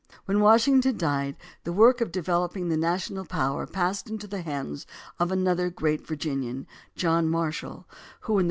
When Washington died the work of de veloping the national power passed into the hands of another great Virginian, John Marshall, who, in the 162 JOHN C.